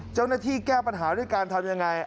เจ้าหน้าที่แก้ปัญหาด้วยการทำยังไง